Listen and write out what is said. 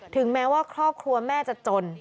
ถึงแม้ว่าครอบครัวแม่จะจน